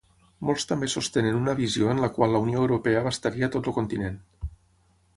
Molts també sostenen una visió en la qual la Unió Europea abastaria tot el continent.